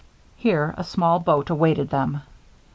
Here a small boat awaited them.